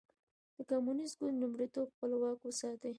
د کمونېست ګوند لومړیتوب خپل واک وساتي.